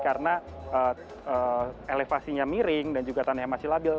karena elevasinya miring dan juga tanahnya masih labil